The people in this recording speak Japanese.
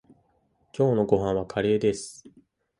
今日のご飯はカレーです。